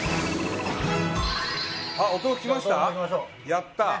やったー！